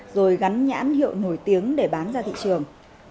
rồi gắn nhãn hiệu nổi tiếng để bán ra thị trường